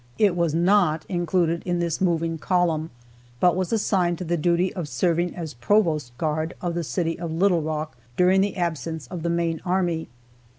It was not included in this moving column, but was assigned to the duty of serving as provost guard of the city of Little Rock during the absence of the main army.